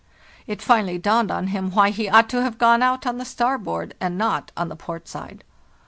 It finally dawned on him why he ought to have gone out on the starboard and not on the port side.